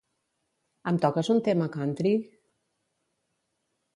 Em toques un tema country?